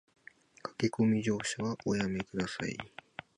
駆け込み乗車はおやめ下さい